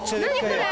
これ。